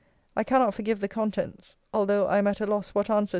I cannot forgive the contents, although I am at a loss what answer to return.